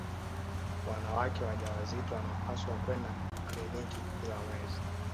wanawake wajawazito wanapaswa kwenda kliniki kila mwezi